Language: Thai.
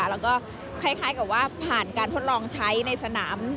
แล้วก็คล้ายกับว่าผ่านการทดลองใช้ในสนาม